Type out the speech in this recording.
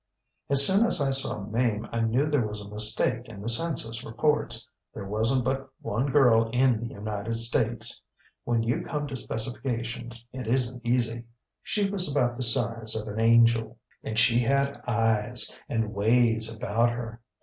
ŌĆ£As soon as I saw Mame I knew there was a mistake in the census reports. There wasnŌĆÖt but one girl in the United States. When you come to specifications it isnŌĆÖt easy. She was about the size of an angel, and she had eyes, and ways about her.